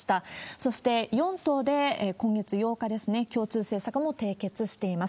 そして、４党で今月８日ですね、共通政策も締結しています。